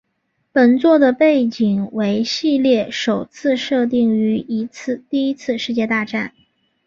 本作的背景为系列首次设定于第一次世界大战。